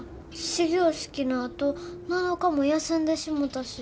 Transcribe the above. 始業式のあと７日も休んでしもたし。